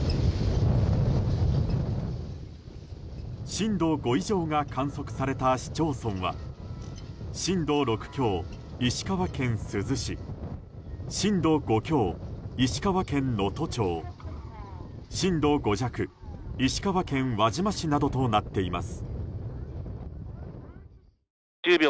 震度５以上が観測された市町村は震度６強、石川県珠洲市震度５強、石川県能登町震度５弱、石川県輪島市などとなっています。